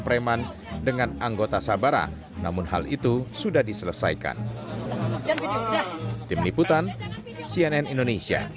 polisi berpakaian pereman dengan anggota sabara namun hal itu sudah diselesaikan